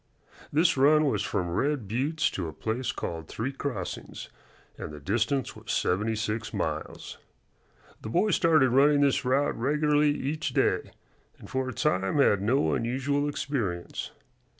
This run was from Red Buttes to a place called Three Crossings, and the distance was seventy six miles. The boy started running this route regularly each day, and for a time had no unusual experience.